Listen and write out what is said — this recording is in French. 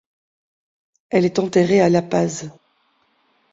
Elle est enterrée à La Paz.